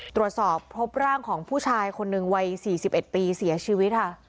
ตรวจสอบพบร่างของผู้ชายคนหนึ่งวัย๔๑ปีเสียชีวิตค่ะ